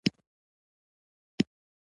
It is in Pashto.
په هر ځای کې د ده سخاوت کیسې وي.